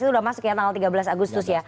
itu sudah masuk ya tanggal tiga belas agustus ya